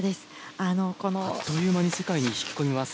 あっという間に世界に引き込みます。